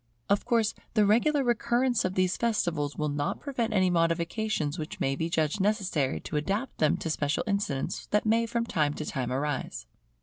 Of course the regular recurrence of these festivals will not prevent any modifications which may be judged necessary to adapt them to special incidents that may from time to time arise.